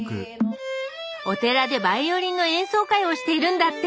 お寺でバイオリンの演奏会をしているんだって！